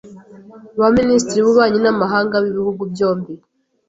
Ba Minisitiri b’Ububanyi n’Amahanga b’ibihugu byombi